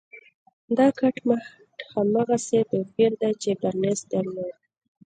دا کټ مټ هماغسې توپير دی چې بارنس درلود.